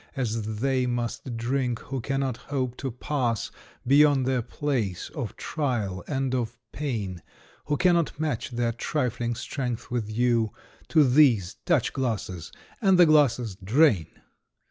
As they must drink, who cannot hope to pass Beyond their place of trial and of pain. Who cannot match their trifling strength with you; To these, touch glasses — ^and the glasses drain